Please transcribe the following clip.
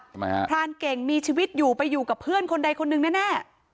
ทำไมฮะพรานเก่งมีชีวิตอยู่ไปอยู่กับเพื่อนคนใดคนหนึ่งแน่